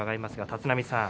立浪さん